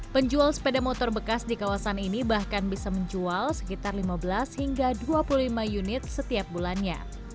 penjual sepeda motor bekas di kawasan ini bahkan bisa menjual sekitar lima belas hingga dua puluh lima unit setiap bulannya